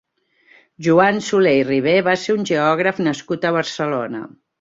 Joan Soler i Riber va ser un geògraf nascut a Barcelona.